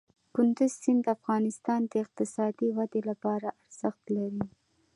کندز سیند د افغانستان د اقتصادي ودې لپاره ارزښت لري.